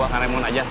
akan remon ajar